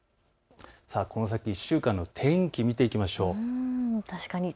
この先１週間の天気を見ていきましょう。